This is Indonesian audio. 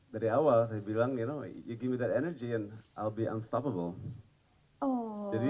dari awal saya bilang kamu berikan aku energi itu dan aku akan tidak berhenti